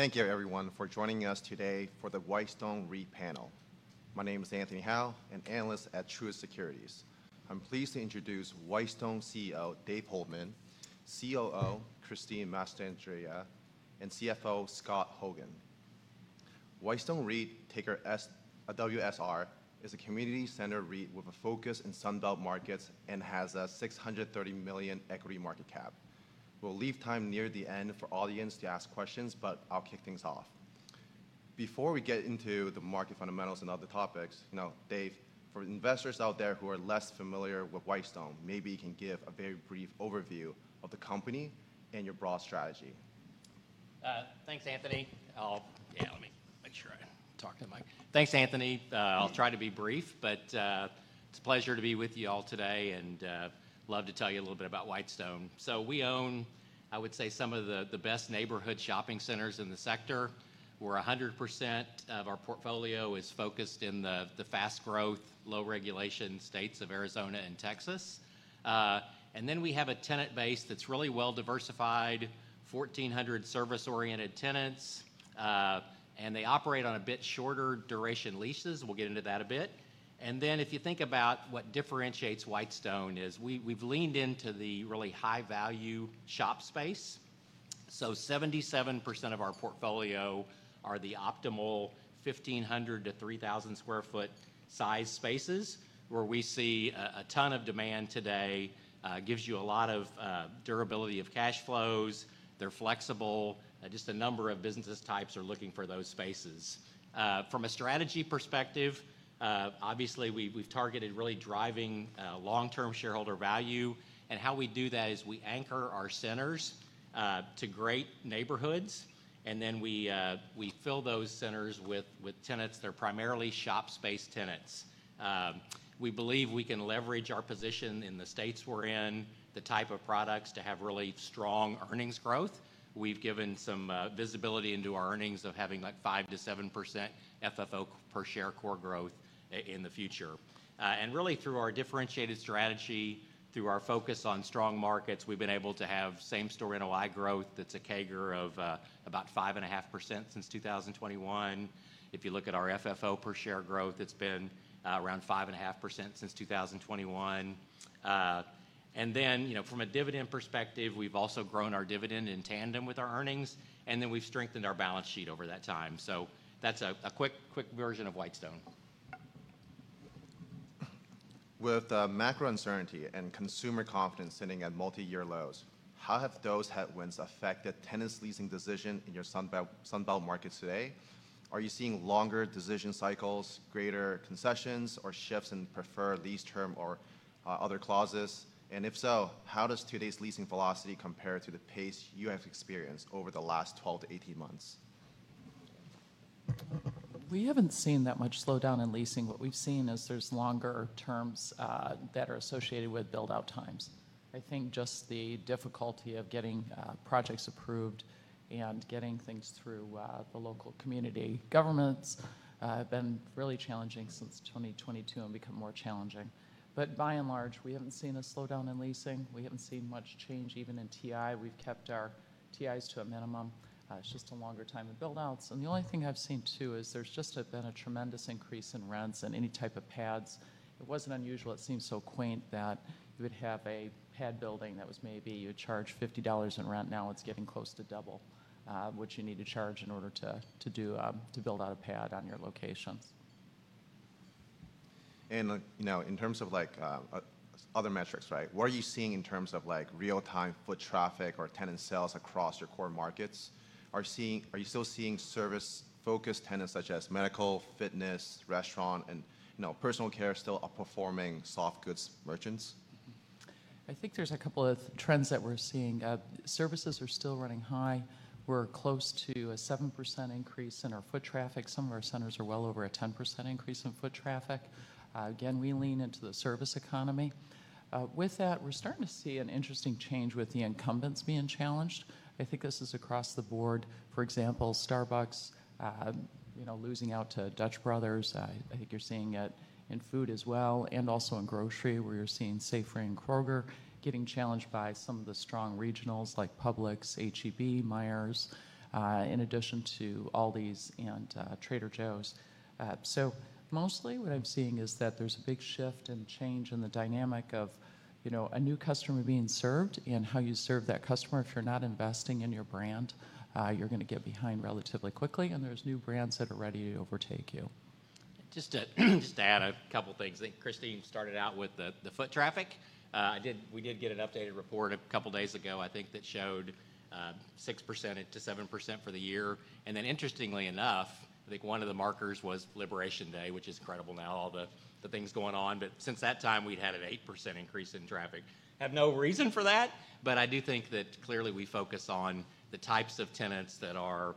Thank you, everyone, for joining us today for the Whitestone REIT panel. My name is Anthony Hall and I'm an analyst at Truist Securities. I'm pleased to introduce Whitestone CEO Dave Holeman, COO Christine Mastandrea, and CFO Scott Hogan. Whitestone REIT, ticker WSR, is a community-centered REIT with a focus in Sunbelt markets and has a $630 million equity market cap. We'll leave time near the end for audience to ask questions, but I'll kick things off. Before we get into the market fundamentals and other topics, you know, Dave, for investors out there who are less familiar with Whitestone, maybe you can give a very brief overview of the company and your broad strategy. Thanks, Anthony. I'll, yeah, let me make sure I talk to Mike. Thanks, Anthony. I'll try to be brief, but it's a pleasure to be with you all today and love to tell you a little bit about Whitestone. We own, I would say, some of the best neighborhood shopping centers in the sector, where 100% of our portfolio is focused in the fast-growth, low-regulation states of Arizona and Texas. We have a tenant base that's really well-diversified: 1,400 service-oriented tenants, and they operate on a bit shorter duration leases. We'll get into that a bit. If you think about what differentiates Whitestone is we've leaned into the really high-value shop space. 77% of our portfolio are the optimal 1,500-3,000 sq ft size spaces, where we see a ton of demand today. It gives you a lot of durability of cash flows. They're flexible. Just a number of business types are looking for those spaces. From a strategy perspective, obviously, we've targeted really driving long-term shareholder value. How we do that is we anchor our centers to great neighborhoods, and then we fill those centers with tenants. They're primarily shop-space tenants. We believe we can leverage our position in the states we're in, the type of products to have really strong earnings growth. We've given some visibility into our earnings of having like 5%-7% FFO per share core growth in the future. Really, through our differentiated strategy, through our focus on strong markets, we've been able to have same-store NOI growth that's a CAGR of about 5.5% since 2021. If you look at our FFO per share growth, it's been around 5.5% since 2021. You know, from a dividend perspective, we've also grown our dividend in tandem with our earnings, and then we've strengthened our balance sheet over that time. That's a quick, quick version of Whitestone. With macro uncertainty and consumer confidence sitting at multi-year lows, how have those headwinds affected tenants' leasing decision in your Sunbelt market today? Are you seeing longer decision cycles, greater concessions, or shifts in preferred lease term or other clauses? If so, how does today's leasing velocity compare to the pace you have experienced over the last 12 to 18 months? We haven't seen that much slowdown in leasing. What we've seen is there's longer terms that are associated with build-out times. I think just the difficulty of getting projects approved and getting things through the local community governments has been really challenging since 2022 and become more challenging. By and large, we haven't seen a slowdown in leasing. We haven't seen much change, even in TI. We've kept our TIs to a minimum. It's just a longer time in build-outs. The only thing I've seen, too, is there's just been a tremendous increase in rents in any type of pads. It wasn't unusual, it seemed so quaint that you would have a pad building that was maybe you'd charge $50 in rent. Now it's getting close to double what you need to charge in order to build out a pad on your locations. You know, in terms of like other metrics, right, what are you seeing in terms of like real-time foot traffic or tenant sales across your core markets? Are you still seeing service-focused tenants such as medical, fitness, restaurant, and, you know, personal care still outperforming soft goods merchants? I think there's a couple of trends that we're seeing. Services are still running high. We're close to a 7% increase in our foot traffic. Some of our centers are well over a 10% increase in foot traffic. Again, we lean into the service economy. With that, we're starting to see an interesting change with the incumbents being challenged. I think this is across the board. For example, Starbucks, you know, losing out to Dutch Bros. I think you're seeing it in food as well, and also in grocery, where you're seeing Safeway and Kroger getting challenged by some of the strong regionals like Publix, H-E-B, Meijer, in addition to Aldi and Trader Joe's. Mostly what I'm seeing is that there's a big shift and change in the dynamic of, you know, a new customer being served and how you serve that customer. If you're not investing in your brand, you're going to get behind relatively quickly, and there's new brands that are ready to overtake you. Just to add a couple of things. I think Christine started out with the foot traffic. We did get an updated report a couple of days ago, I think, that showed 6%-7% for the year. Interestingly enough, I think one of the markers was Liberation Day, which is incredible now, all the things going on. Since that time, we'd had an 8% increase in traffic. I have no reason for that, but I do think that clearly we focus on the types of tenants that are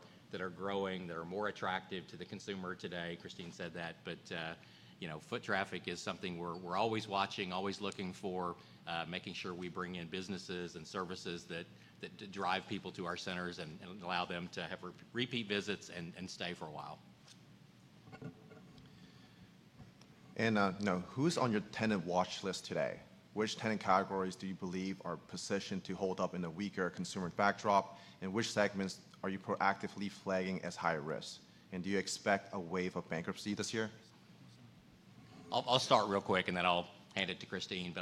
growing, that are more attractive to the consumer today. Christine said that. You know, foot traffic is something we're always watching, always looking for, making sure we bring in businesses and services that drive people to our centers and allow them to have repeat visits and stay for a while. You know, who's on your tenant watch list today? Which tenant categories do you believe are positioned to hold up in a weaker consumer backdrop, and which segments are you proactively flagging as high risk? Do you expect a wave of bankruptcy this year? I'll start real quick, and then I'll hand it to Christine.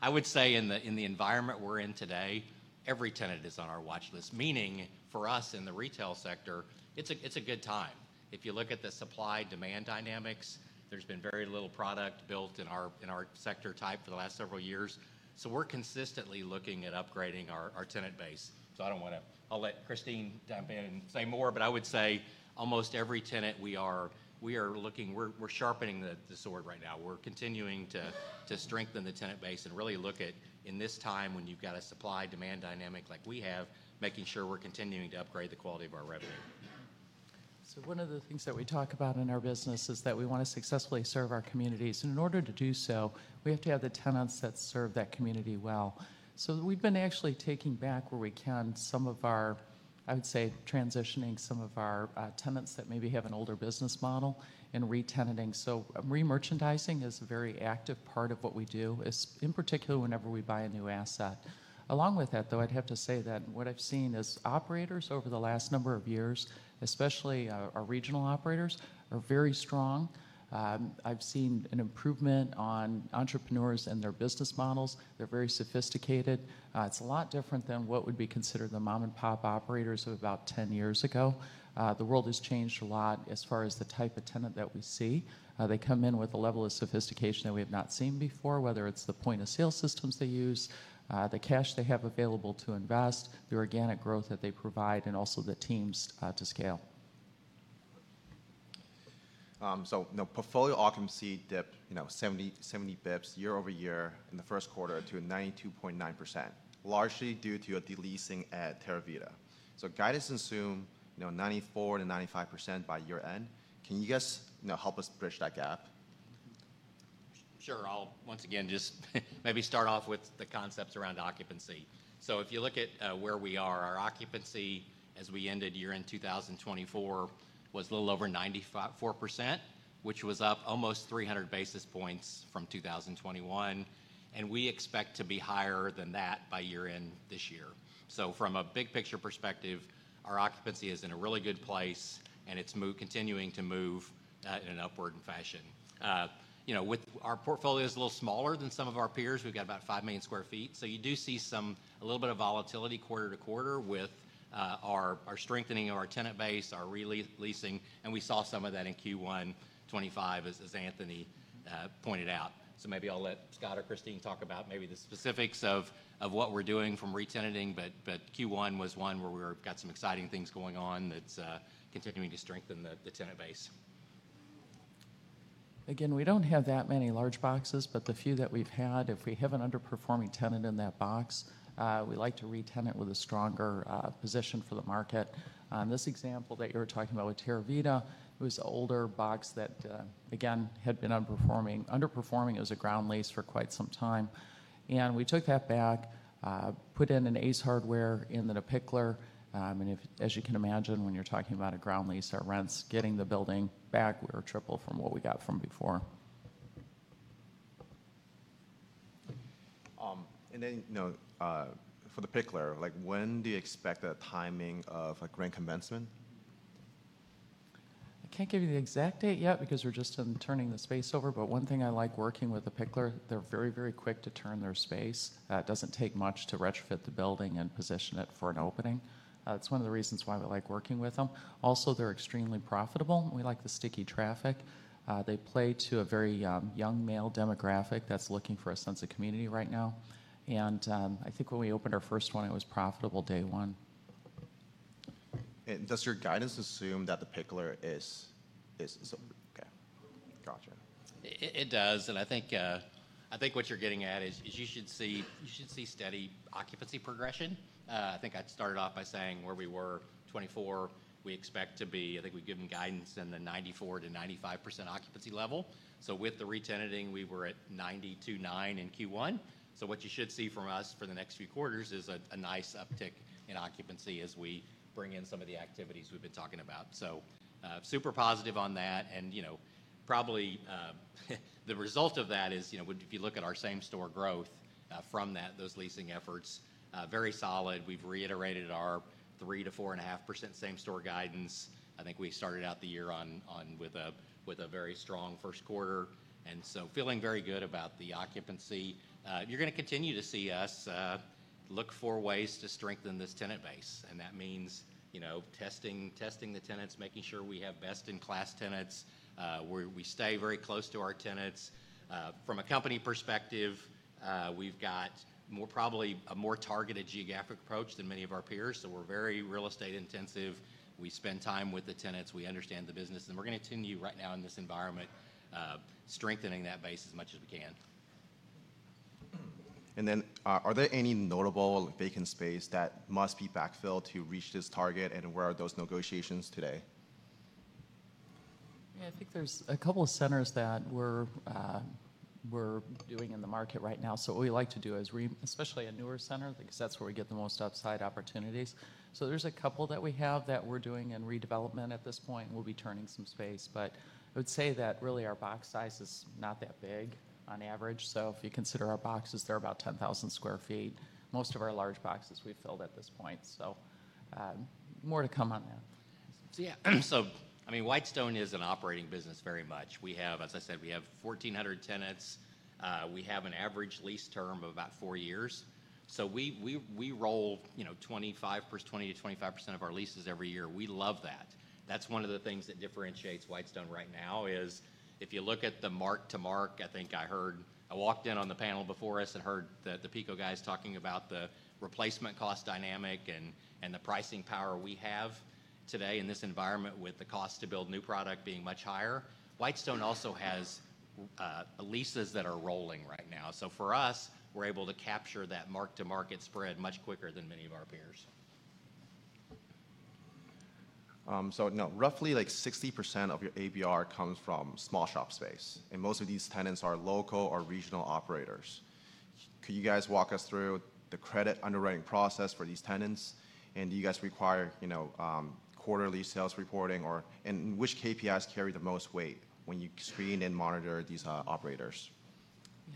I would say in the environment we're in today, every tenant is on our watch list, meaning for us in the retail sector, it's a good time. If you look at the supply-demand dynamics, there's been very little product built in our sector type for the last several years. We're consistently looking at upgrading our tenant base. I don't want to, I'll let Christine dive in and say more, but I would say almost every tenant, we are looking, we're sharpening the sword right now. We're continuing to strengthen the tenant base and really look at, in this time when you've got a supply-demand dynamic like we have, making sure we're continuing to upgrade the quality of our revenue. One of the things that we talk about in our business is that we want to successfully serve our communities. In order to do so, we have to have the tenants that serve that community well. We've been actually taking back where we can some of our, I would say, transitioning some of our tenants that maybe have an older business model and retenanting. Re-merchandising is a very active part of what we do, in particular whenever we buy a new asset. Along with that, though, I'd have to say that what I've seen is operators over the last number of years, especially our regional operators, are very strong. I've seen an improvement on entrepreneurs and their business models. They're very sophisticated. It's a lot different than what would be considered the mom-and-pop operators of about 10 years ago. The world has changed a lot as far as the type of tenant that we see. They come in with a level of sophistication that we have not seen before, whether it's the point-of-sale systems they use, the cash they have available to invest, the organic growth that they provide, and also the teams to scale. The portfolio occupancy dipped, you know, 70 basis points year over year in the first quarter to 92.9%, largely due to a deleasing at Terravita. Guidance assumes, you know, 94%-95% by year-end. Can you guys help us bridge that gap? Sure. I'll, once again, just maybe start off with the concepts around occupancy. If you look at where we are, our occupancy, as we ended year-end 2024, was a little over 94%, which was up almost 300 basis points from 2021. We expect to be higher than that by year-end this year. From a big-picture perspective, our occupancy is in a really good place, and it's continuing to move in an upward fashion. You know, our portfolio is a little smaller than some of our peers. We've got about 5 million sq ft. You do see some, a little bit of volatility quarter to quarter with our strengthening of our tenant base, our releasing, and we saw some of that in Q1 2025, as Anthony pointed out. Maybe I'll let Scott or Christine talk about maybe the specifics of what we're doing from retenanting. Q1 was one where we've got some exciting things going on that's continuing to strengthen the tenant base. Again, we don't have that many large boxes, but the few that we've had, if we have an underperforming tenant in that box, we like to retenant with a stronger position for the market. In this example that you were talking about with Terravita, it was an older box that, again, had been underperforming as a ground lease for quite some time. We took that back, put in an ACE Hardware in The Picklr. As you can imagine, when you're talking about a ground lease, our rents getting the building back were triple from what we got from before. And then, you know, for The Picklr, like when do you expect the timing of a grand commencement? I can't give you the exact date yet because we're just turning the space over. One thing I like working with The Picklr, they're very, very quick to turn their space. It doesn't take much to retrofit the building and position it for an opening. That's one of the reasons why we like working with them. Also, they're extremely profitable. We like the sticky traffic. They play to a very young male demographic that's looking for a sense of community right now. I think when we opened our first one, it was profitable day one. Does your guidance assume that The Picklr is, okay, gotcha. It does. And I think what you're getting at is you should see steady occupancy progression. I think I'd started off by saying where we were 2024, we expect to be, I think we've given guidance in the 94%-95% occupancy level. So with the retenanting, we were at 92.9% in Q1. What you should see from us for the next few quarters is a nice uptick in occupancy as we bring in some of the activities we've been talking about. Super positive on that. And, you know, probably the result of that is, you know, if you look at our same-store growth from those leasing efforts, very solid. We've reiterated our 3%-4.5% same-store guidance. I think we started out the year with a very strong first quarter. And so feeling very good about the occupancy. You're going to continue to see us look for ways to strengthen this tenant base. That means, you know, testing the tenants, making sure we have best-in-class tenants. We stay very close to our tenants. From a company perspective, we've got probably a more targeted geographic approach than many of our peers. We are very real estate intensive. We spend time with the tenants. We understand the business. We are going to continue right now in this environment, strengthening that base as much as we can. Are there any notable vacant space that must be backfilled to reach this target, and where are those negotiations today? Yeah, I think there's a couple of centers that we're doing in the market right now. What we like to do is, especially a newer center, because that's where we get the most upside opportunities. There's a couple that we have that we're doing in redevelopment at this point. We'll be turning some space. I would say that really our box size is not that big on average. If you consider our boxes, they're about 10,000 sq ft. Most of our large boxes we've filled at this point. More to come on that. Yeah. So I mean, Whitestone is an operating business very much. We have, as I said, we have 1,400 tenants. We have an average lease term of about 4 years. We roll, you know, 20%-25% of our leases every year. We love that. That's one of the things that differentiates Whitestone right now is if you look at the mark-to-market, I think I heard, I walked in on the panel before us and heard the PICO guys talking about the replacement cost dynamic and the pricing power we have today in this environment with the cost to build new product being much higher. Whitestone also has leases that are rolling right now. For us, we're able to capture that mark-to-market spread much quicker than many of our peers. Now roughly like 60% of your ABR comes from small shop space. Most of these tenants are local or regional operators. Could you guys walk us through the credit underwriting process for these tenants? Do you guys require, you know, quarterly sales reporting? Which KPIs carry the most weight when you screen and monitor these operators?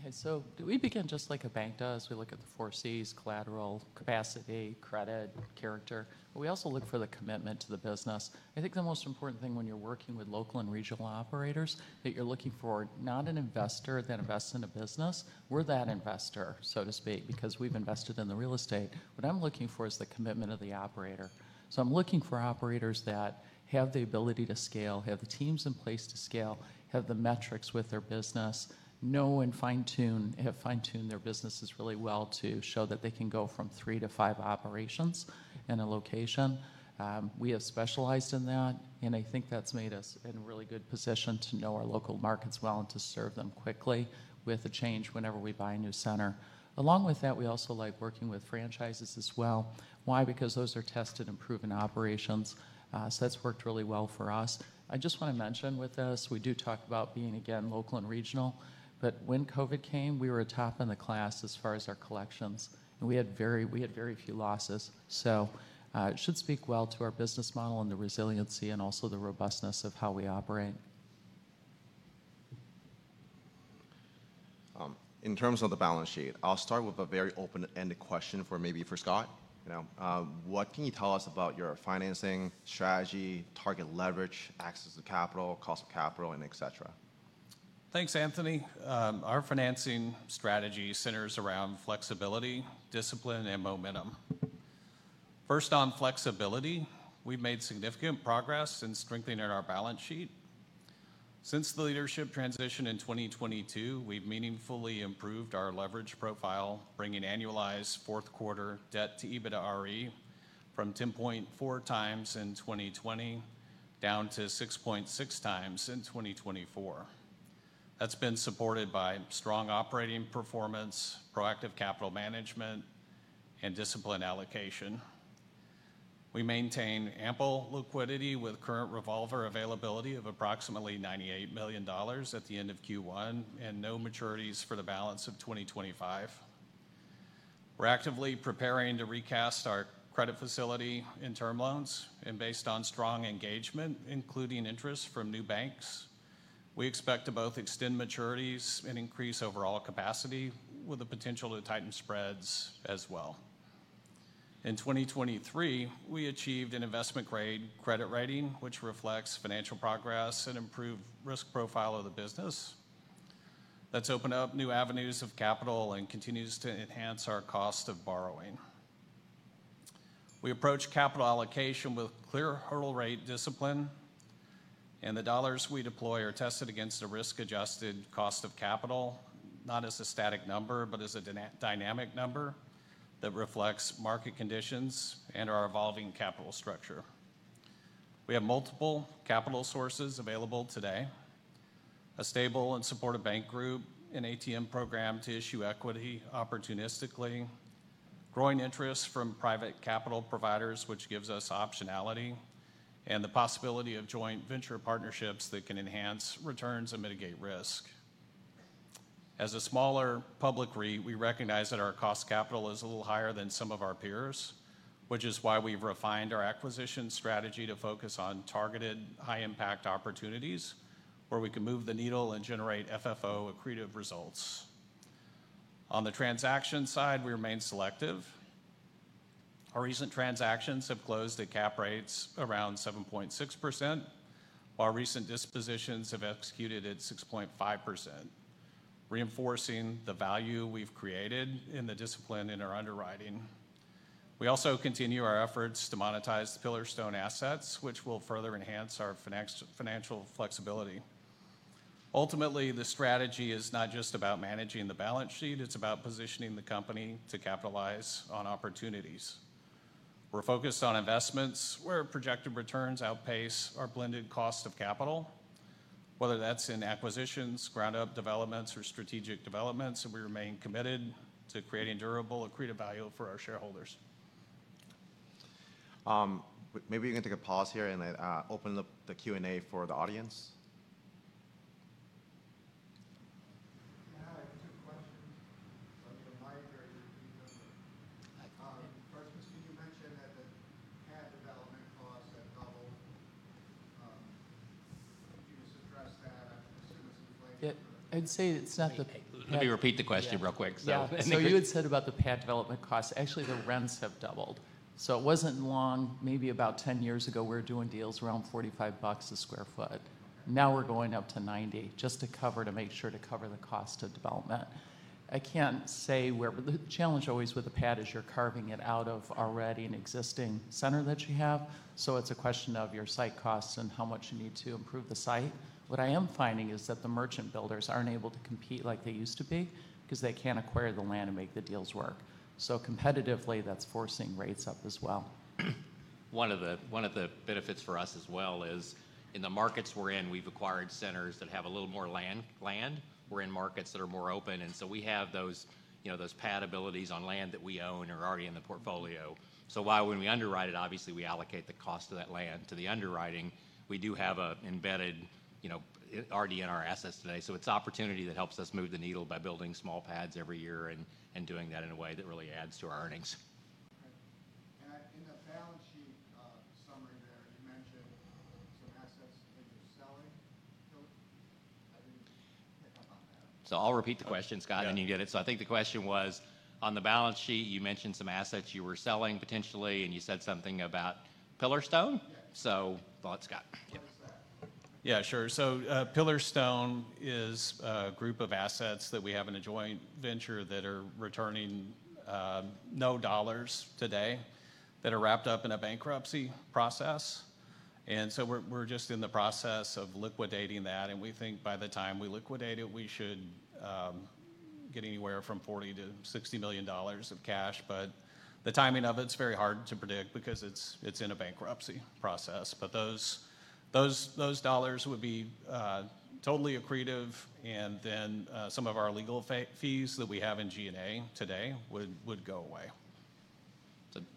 Yeah. We begin just like a bank does. We look at the 4 Cs, collateral, capacity, credit, character. We also look for the commitment to the business. I think the most important thing when you're working with local and regional operators that you're looking for, not an investor that invests in a business. We're that investor, so to speak, because we've invested in the real estate. What I'm looking for is the commitment of the operator. I'm looking for operators that have the ability to scale, have the teams in place to scale, have the metrics with their business, know and fine-tune their businesses really well to show that they can go from 3 to 5 operations in a location. We have specialized in that. I think that's made us in a really good position to know our local markets well and to serve them quickly with a change whenever we buy a new center. Along with that, we also like working with franchises as well. Why? Because those are tested and proven operations. That's worked really well for us. I just want to mention with this, we do talk about being, again, local and regional. When COVID came, we were a top in the class as far as our collections. We had very few losses. It should speak well to our business model and the resiliency and also the robustness of how we operate. In terms of the balance sheet, I'll start with a very open-ended question for maybe for Scott. You know, what can you tell us about your financing strategy, target leverage, access to capital, cost of capital, and et cetera? Thanks, Anthony. Our financing strategy centers around flexibility, discipline, and momentum. First, on flexibility, we've made significant progress in strengthening our balance sheet. Since the leadership transition in 2022, we've meaningfully improved our leverage profile, bringing annualized fourth-quarter debt-to-EBITDA RE from 10.4 times in 2020 down to 6.6 times in 2024. That's been supported by strong operating performance, proactive capital management, and discipline allocation. We maintain ample liquidity with current revolver availability of approximately $98 million at the end of Q1 and no maturities for the balance of 2025. We're actively preparing to recast our credit facility and term loans. Based on strong engagement, including interest from new banks, we expect to both extend maturities and increase overall capacity with the potential to tighten spreads as well. In 2023, we achieved an investment-grade credit rating, which reflects financial progress and improved risk profile of the business. That's opened up new avenues of capital and continues to enhance our cost of borrowing. We approach capital allocation with clear hurdle rate discipline. The dollars we deploy are tested against a risk-adjusted cost of capital, not as a static number, but as a dynamic number that reflects market conditions and our evolving capital structure. We have multiple capital sources available today, a stable and supportive bank group and ATM program to issue equity opportunistically, growing interest from private capital providers, which gives us optionality, and the possibility of joint venture partnerships that can enhance returns and mitigate risk. As a smaller public REIT, we recognize that our cost of capital is a little higher than some of our peers, which is why we've refined our acquisition strategy to focus on targeted high-impact opportunities where we can move the needle and generate FFO accretive results. On the transaction side, we remain selective. Our recent transactions have closed at cap rates around 7.6%, while recent dispositions have executed at 6.5%, reinforcing the value we've created in the discipline in our underwriting. We also continue our efforts to monetize the Pillarstone assets, which will further enhance our financial flexibility. Ultimately, the strategy is not just about managing the balance sheet. It's about positioning the company to capitalize on opportunities. We're focused on investments where projected returns outpace our blended cost of capital, whether that's in acquisitions, ground-up developments, or strategic developments. We remain committed to creating durable accretive value for our shareholders. Maybe you can take a pause here and open up the Q&A for the audience. Yeah, I have 2 questions. In my area, you're dealing with. Hi. Christine, you mentioned that the PAD development costs have doubled. Can you just address that? I'm assuming it's inflated. I'd say it's not the. Let me repeat the question real quick. Yeah. You had said about the PAD development costs. Actually, the rents have doubled. It was not long, maybe about 10 years ago, we were doing deals around $45 a sq ft. Now we are going up to $90 just to make sure to cover the cost of development. I cannot say where, but the challenge always with the PAD is you are carving it out of already an existing center that you have. It is a question of your site costs and how much you need to improve the site. What I am finding is that the merchant builders are not able to compete like they used to be because they cannot acquire the land and make the deals work. Competitively, that is forcing rates up as well. One of the benefits for us as well is in the markets we're in, we've acquired centers that have a little more land. We're in markets that are more open. We have those PAD abilities on land that we own already in the portfolio. While when we underwrite it, obviously we allocate the cost of that land to the underwriting, we do have an embedded, you know, already in our assets today. It is opportunity that helps us move the needle by building small PADs every year and doing that in a way that really adds to our earnings. In the balance sheet summary there, you mentioned some assets that you're selling. I didn't pick up on that. I'll repeat the question, Scott, and you get it. I think the question was, on the balance sheet, you mentioned some assets you were selling potentially, and you said something about Pillarstone. Scott. Yeah, sure. Pillarstone is a group of assets that we have in a joint venture that are returning no dollars today that are wrapped up in a bankruptcy process. We are just in the process of liquidating that. We think by the time we liquidate it, we should get anywhere from $40 million-$60 million of cash. The timing of it is very hard to predict because it is in a bankruptcy process. Those dollars would be totally accretive. Some of our legal fees that we have in G&A today would go away.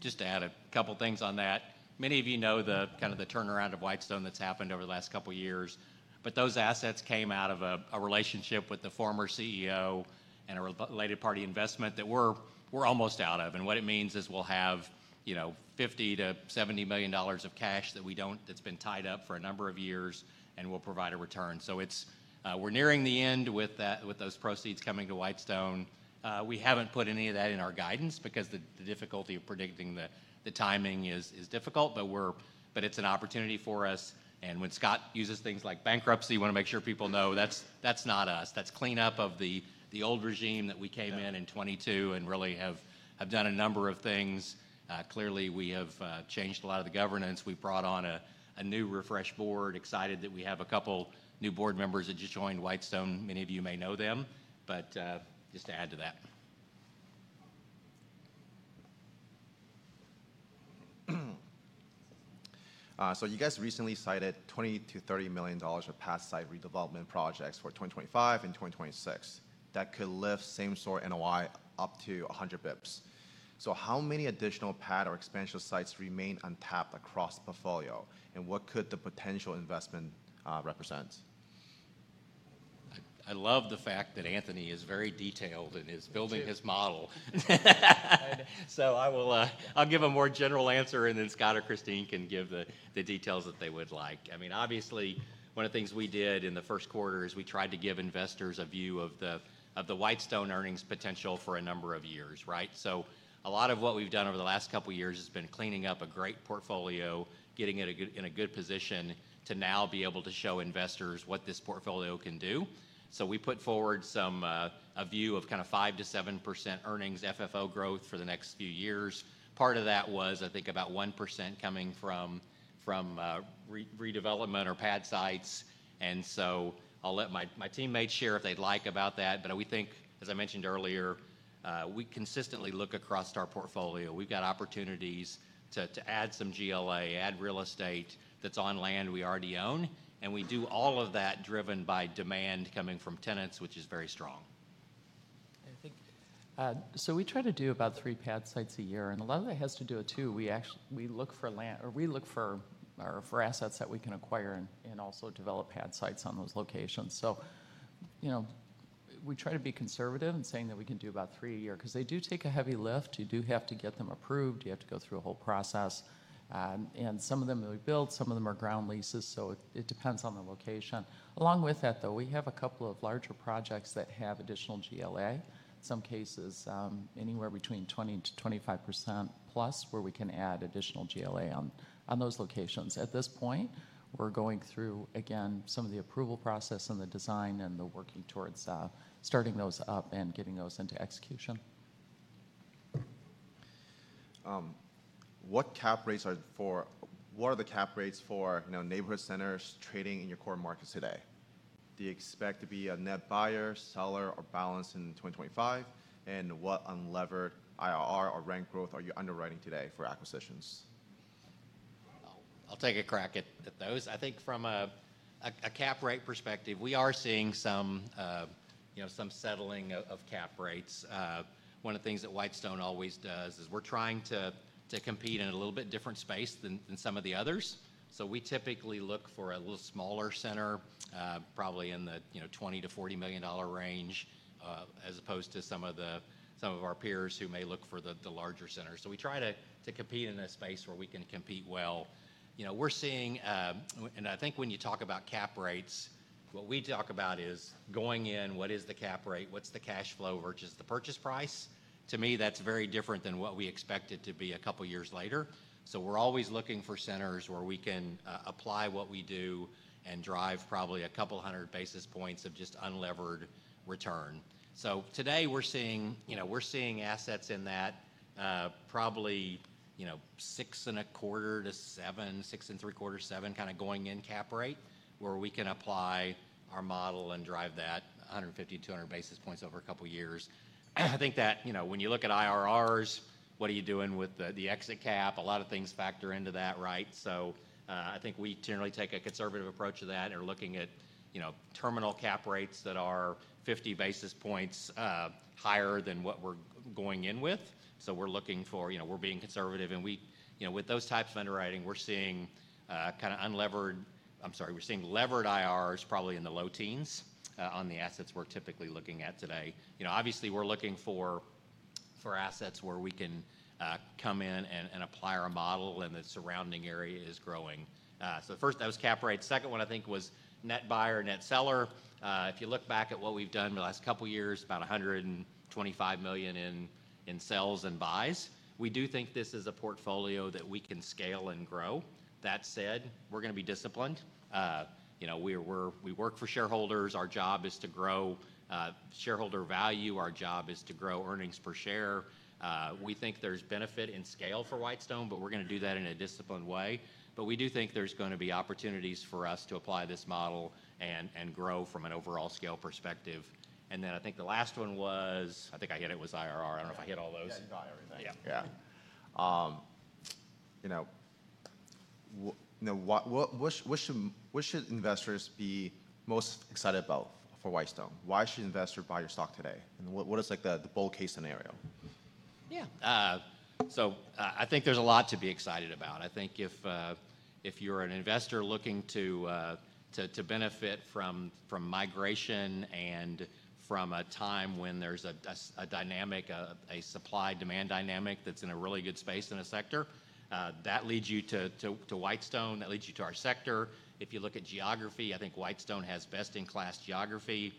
Just to add a couple of things on that, many of you know the kind of the turnaround of Whitestone that's happened over the last couple of years. Those assets came out of a relationship with the former CEO and a related party investment that we're almost out of. What it means is we'll have, you know, $50-$70 million of cash that we don't, that's been tied up for a number of years, and will provide a return. We're nearing the end with those proceeds coming to Whitestone. We haven't put any of that in our guidance because the difficulty of predicting the timing is difficult. It's an opportunity for us. When Scott uses things like bankruptcy, you want to make sure people know that's not us. That's cleanup of the old regime that we came in in 2022 and really have done a number of things. Clearly, we have changed a lot of the governance. We brought on a new refresh board, excited that we have a couple new board members that just joined Whitestone. Many of you may know them. Just to add to that. You guys recently cited $20-$30 million of past site redevelopment projects for 2025 and 2026 that could lift same-store NOI up to 100 basis points. How many additional PAD or expansion sites remain untapped across the portfolio? What could the potential investment represent? I love the fact that Anthony is very detailed in his building his model. I'll give a more general answer, and then Scott or Christine can give the details that they would like. I mean, obviously, one of the things we did in the first quarter is we tried to give investors a view of the Whitestone earnings potential for a number of years, right? A lot of what we've done over the last couple of years has been cleaning up a great portfolio, getting it in a good position to now be able to show investors what this portfolio can do. We put forward a view of kind of 5%-7% earnings, FFO growth for the next few years. Part of that was, I think, about 1% coming from redevelopment or PAD sites. I'll let my teammates share if they'd like about that. We think, as I mentioned earlier, we consistently look across our portfolio. We've got opportunities to add some GLA, add real estate that's on land we already own. We do all of that driven by demand coming from tenants, which is very strong. I think so we try to do about 3 PAD sites a year. A lot of that has to do with, too, we look for land or we look for assets that we can acquire and also develop PAD sites on those locations. You know, we try to be conservative in saying that we can do about 3 a year because they do take a heavy lift. You do have to get them approved. You have to go through a whole process. Some of them are built. Some of them are ground leases. It depends on the location. Along with that, though, we have a couple of larger projects that have additional GLA, in some cases anywhere between 20%-25% plus where we can add additional GLA on those locations. At this point, we're going through, again, some of the approval process and the design and working towards starting those up and getting those into execution. What cap rates are for what are the cap rates for neighborhood centers trading in your core markets today? Do you expect to be a net buyer, seller, or balance in 2025? What unlevered IRR or rent growth are you underwriting today for acquisitions? I'll take a crack at those. I think from a cap rate perspective, we are seeing some settling of cap rates. One of the things that Whitestone always does is we're trying to compete in a little bit different space than some of the others. So we typically look for a little smaller center, probably in the $20 million to $40 million range, as opposed to some of our peers who may look for the larger centers. So we try to compete in a space where we can compete well. You know, we're seeing, and I think when you talk about cap rates, what we talk about is going in, what is the cap rate? What's the cash flow versus the purchase price? To me, that's very different than what we expected to be a couple of years later. We're always looking for centers where we can apply what we do and drive probably a couple hundred basis points of just unlevered return. Today we're seeing assets in that probably 6.25%-6.75% to 7% kind of going in cap rate where we can apply our model and drive that 150-200 basis points over a couple of years. I think that when you look at IRRs, what are you doing with the exit cap? A lot of things factor into that, right? I think we generally take a conservative approach to that and are looking at terminal cap rates that are 50 basis points higher than what we're going in with. We're looking for, we're being conservative. With those types of underwriting, we're seeing kind of unlevered, I'm sorry, we're seeing levered IRRs probably in the low teens on the assets we're typically looking at today. Obviously, we're looking for assets where we can come in and apply our model and the surrounding area is growing. First, that was cap rate. Second one, I think was net buyer, net seller. If you look back at what we've done in the last couple of years, about $125 million in sales and buys. We do think this is a portfolio that we can scale and grow. That said, we're going to be disciplined. We work for shareholders. Our job is to grow shareholder value. Our job is to grow earnings per share. We think there's benefit in scale for Whitestone, but we're going to do that in a disciplined way. We do think there's going to be opportunities for us to apply this model and grow from an overall scale perspective. I think the last one was, I think I hit it, was IRR. I don't know if I hit all those. Net buyer then. Yeah. What should investors be most excited about for Whitestone? Why should investors buy your stock today? What is the bull case scenario? Yeah. I think there's a lot to be excited about. I think if you're an investor looking to benefit from migration and from a time when there's a dynamic, a supply-demand dynamic that's in a really good space in a sector, that leads you to Whitestone. That leads you to our sector. If you look at geography, I think Whitestone has best-in-class geography.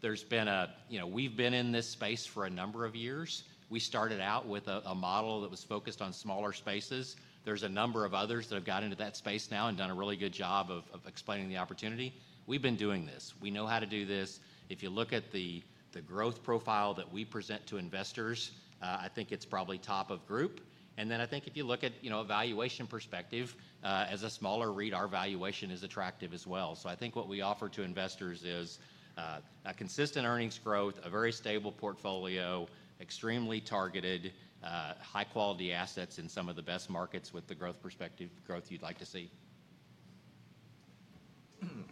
We've been in this space for a number of years. We started out with a model that was focused on smaller spaces. There's a number of others that have got into that space now and done a really good job of explaining the opportunity. We've been doing this. We know how to do this. If you look at the growth profile that we present to investors, I think it's probably top of group. I think if you look at a valuation perspective, as a smaller REIT, our valuation is attractive as well. I think what we offer to investors is a consistent earnings growth, a very stable portfolio, extremely targeted, high-quality assets in some of the best markets with the growth perspective, growth you'd like to see.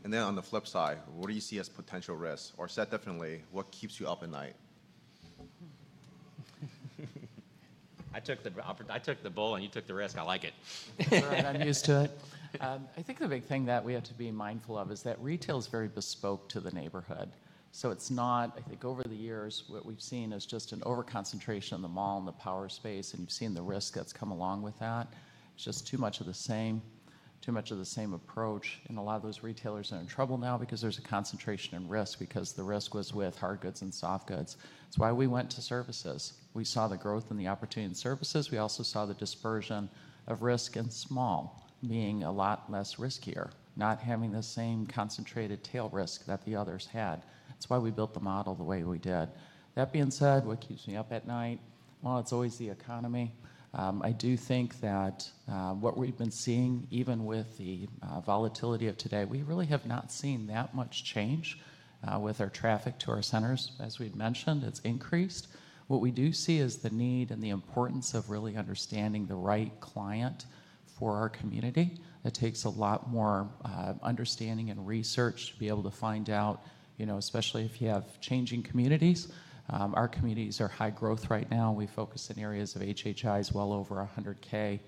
On the flip side, what do you see as potential risks? Or said differently, what keeps you up at night? I took the bull and you took the risk. I like it. I'm not used to it. I think the big thing that we have to be mindful of is that retail is very bespoke to the neighborhood. It is not, I think over the years, what we've seen is just an overconcentration in the mall and the power space. You have seen the risk that's come along with that. It is just too much of the same, too much of the same approach. A lot of those retailers are in trouble now because there's a concentration in risk because the risk was with hard goods and soft goods. It is why we went to services. We saw the growth in the opportunity in services. We also saw the dispersion of risk in small being a lot less risky, not having the same concentrated tail risk that the others had. It is why we built the model the way we did. That being said, what keeps me up at night? It's always the economy. I do think that what we've been seeing, even with the volatility of today, we really have not seen that much change with our traffic to our centers. As we had mentioned, it's increased. What we do see is the need and the importance of really understanding the right client for our community. It takes a lot more understanding and research to be able to find out, especially if you have changing communities. Our communities are high growth right now. We focus in areas of HHIs well over $100,000.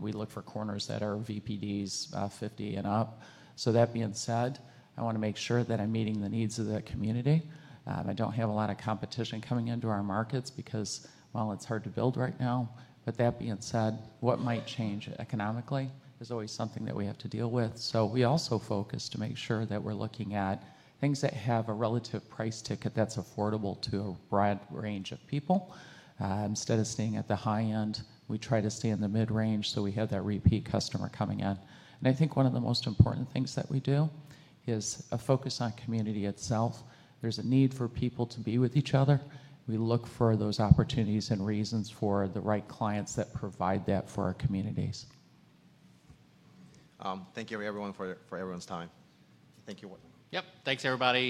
We look for corners that are VPDs 50 and up. That being said, I want to make sure that I'm meeting the needs of that community. I don't have a lot of competition coming into our markets because it's hard to build right now. That being said, what might change economically is always something that we have to deal with. We also focus to make sure that we're looking at things that have a relative price ticket that's affordable to a broad range of people. Instead of staying at the high end, we try to stay in the mid-range so we have that repeat customer coming in. I think one of the most important things that we do is a focus on community itself. There's a need for people to be with each other. We look for those opportunities and reasons for the right clients that provide that for our communities. Thank you, everyone, for everyone's time. Thank you. Yep. Thanks, everybody.